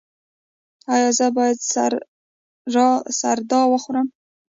ایا زه باید سردا وخورم؟